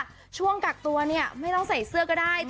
ช่วงกักตัวเนี่ยไม่ต้องใส่เสื้อก็ได้